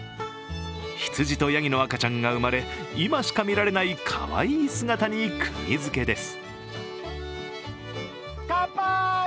羊とやぎの赤ちゃんが生まれ、今しか見られないかわいい姿にくぎづけです。